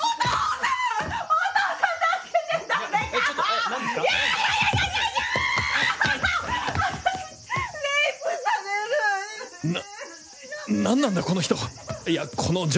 ななんなんだこの人！